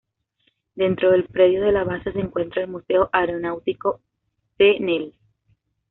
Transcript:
Dentro del predio de la base se encuentra el Museo Aeronáutico Cnel.